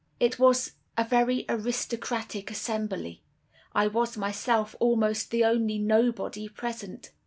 "It was a very aristocratic assembly. I was myself almost the only 'nobody' present.